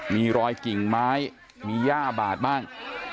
มีรอยกิ่งไม้มีย่าบาดบ้าง